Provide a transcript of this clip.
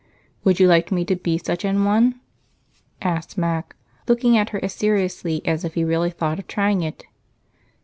"Would you like me to be such a one?" asked Mac, looking at her as seriously as if he really thought of trying it.